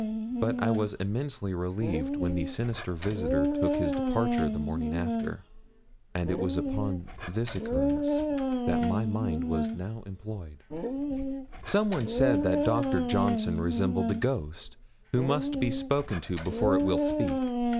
But I was immensely relieved when the sinister visitor took his departure the morning after, and it was upon this occurrence that my mind was now employed. Some one said that Dr. Johnson resembled a ghost, who must be spoken to before it will speak.